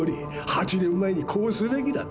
８年前にこうすべきだった。